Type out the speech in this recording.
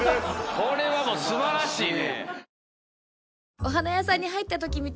これは素晴らしいね。